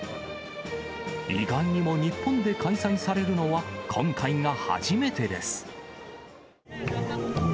意外にも日本で開催されるのは今回が初めてです。